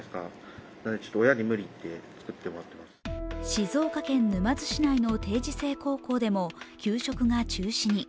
静岡県沼津市内の定時制高校でも給食が中止に。